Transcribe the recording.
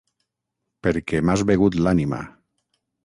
Perquè m'has begut l'ànima...